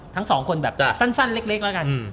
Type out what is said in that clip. ทั้งสองคนแบบสั้นเล็ก